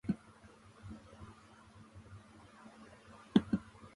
作用が自己矛盾的に対象に含まれるというのは、その根底においてかくの如きことでなければならない。